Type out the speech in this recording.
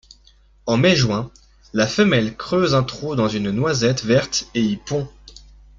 En mai-juin, la femelle creuse un trou dans une noisette verte et y pond.